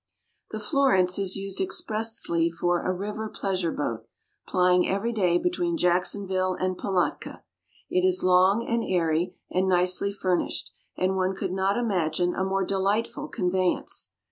"The Florence" is used expressly for a river pleasure boat, plying every day between Jacksonville and Pilatka. It is long and airy, and nicely furnished; and one could not imagine a more delightful conveyance.